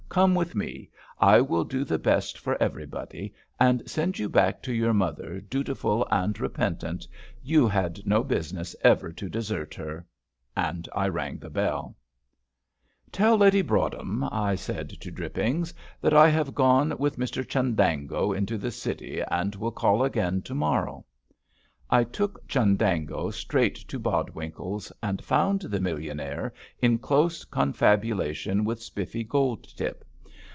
come with me; I will do the best for everybody, and send you back to your mother dutiful and repentant you had no business ever to desert her;" and I rang the bell. "Tell Lady Broadhem," I said to Drippings, "that I have gone with Mr Chundango into the City, and will call again to morrow." I took Chundango straight to Bodwinkle's, and found the millionaire in close confabulation with Spiffy Goldtip.